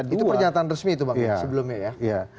itu pernyataan resmi itu bang sebelumnya ya